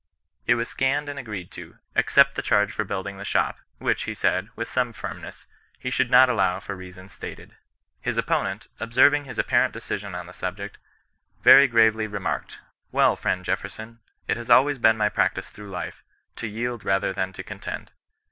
It was scanned and agreed to, except the charge for building the shop, which, he said, with some firmness, he should not allow for reasons stated. His opponent, observing his apparent decision on the subject, very gravely remarked, * Well, friend Jefferson, it has always been my practice through life, to yield rather than to contend.'